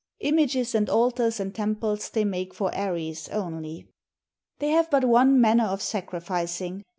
Images and altars and temples they make for Ares only. They have but one manner of sacrificing.